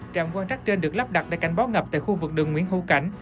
trạm quan trắc trên được lắp đặt để cảnh báo ngập tại khu vực đường nguyễn hữu cảnh